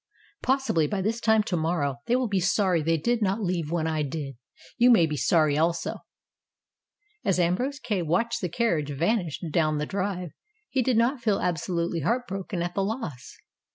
Possibly by this time to morrow they will be sorry they did not leave when I did. You may be sorry also." As Ambrose Kay watched the carriage vanish down 250 STORIES WITHOUT TEARS the drive he did not feel absolutely heartbroken at the loss.